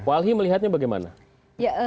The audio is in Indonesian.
walhi melihatnya bagaimana